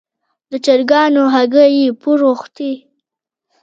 د چرګانو هګۍ یې پور غوښتې.